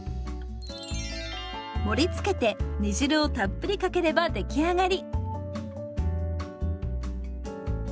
盛りつけて煮汁をたっぷりかければ出来上がり。